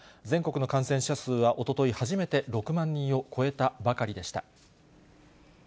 全国の感染者数はおととい、初めて６万人を超えたばかりでした。